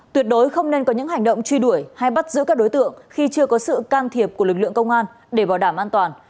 tuyệt đối không nên có những hành động truy đuổi hay bắt giữ các đối tượng khi chưa có sự can thiệp của lực lượng công an để bảo đảm an toàn